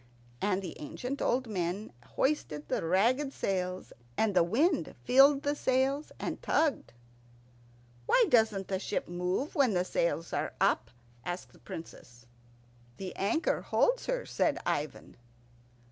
And the ancient old men hoisted the ragged sails, and the wind filled the sails and tugged. "Why doesn't the ship move when the sails are up?" asked the Princess. "The anchor holds her," said Ivan.